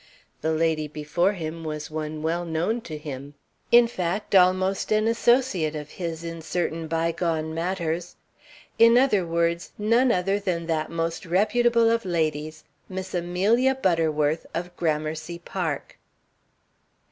The lady before him was one well known to him; in fact, almost an associate of his in certain bygone matters; in other words, none other than that most reputable of ladies, Miss Amelia Butterworth of Gramercy Park.